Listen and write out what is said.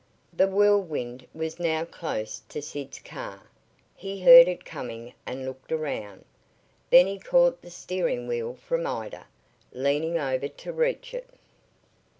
The Whirlwind was now close to Sid's car. He heard it coming and looked around. Then he caught the steering wheel from Ida, leaning over to reach it.